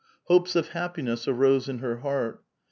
Hopes of happiness arose in her heart.